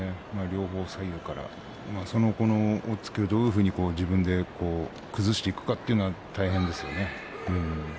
両方、左右からその押っつけをどういうふうに自分で崩していくかというのが大変ですよね。